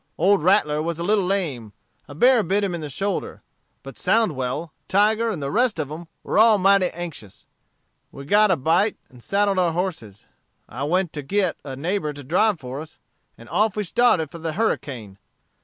Old Rattler was a little lame a bear bit him in the shoulder; but Soundwell, Tiger, and the rest of 'em were all mighty anxious. We got a bite, and saddled our horses. I went by to git a neighbor to drive for us, and off we started for the Harricane.